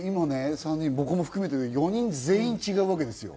僕も含めて４人全員違うわけですよ。